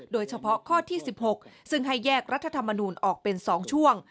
โดยเฉพาะข้อที่๑๖ซึ่งให้แยกรัฐธรรมนูลออกเป็น๒ช่วง